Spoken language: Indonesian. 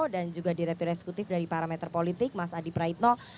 dan juga direktur eksekutif dari parameter politik mas adi praitno